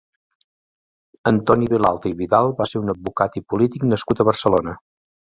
Antoni Vilalta i Vidal va ser un advocat i polític nascut a Barcelona.